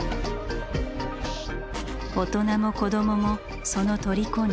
大人も子どももその虜に。